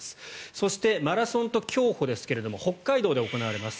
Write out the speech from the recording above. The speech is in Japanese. そして、マラソンと競歩ですが北海道で行われます。